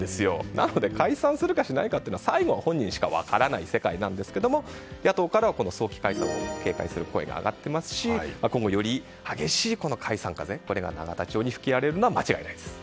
なので解散するかしないかというのは最後は本人しか分からない世界なんですが野党からは、早期解散を警戒する声が上がっていますし今後より激しい解散風が永田町に吹き荒れるのは間違いないです。